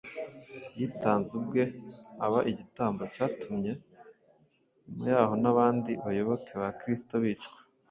yitanze ubwe aba igitambo cyatumye nyuma y’aho abandi bayoboke ba Kristo bicwa